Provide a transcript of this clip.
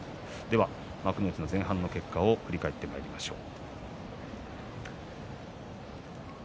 幕内の前半の結果を振り返っていきましょう。